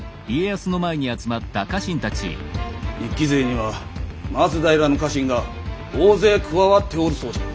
一揆勢には松平の家臣が大勢加わっておるそうじゃ。